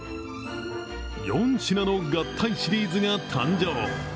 ４品の合体シリーズが誕生。